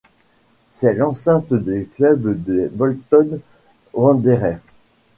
C'est l'enceinte du club des Bolton Wanderers.